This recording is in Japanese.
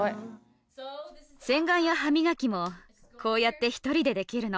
洗顔や歯磨きもこうやって１人でできるの。